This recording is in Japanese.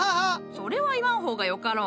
それは言わん方がよかろう。